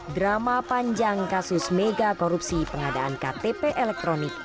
drama panjang kasus megakorupsi pengadaan ktp elektronik